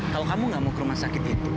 kalau kamu gak mau ke rumah sakit itu